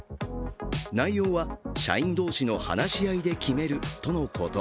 内容は、社員同士の話し合いで決めるとのこと。